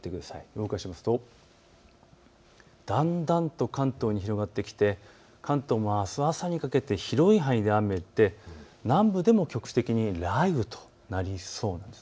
動かしますとだんだんと関東に広がってきて関東もあす朝にかけて広い範囲で雨で南部でも局地的に雷雨となりそうなんです。